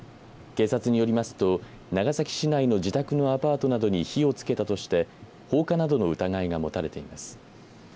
警察によりますと長崎市内の自宅のアパートなどに火をつけたとして放火などの疑いが持たれています。